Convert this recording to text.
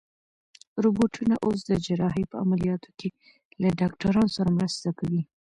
روبوټونه اوس د جراحۍ په عملیاتو کې له ډاکټرانو سره مرسته کوي.